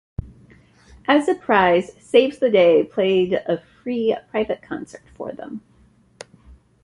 As a prize, Saves the Day played a free, private concert for them.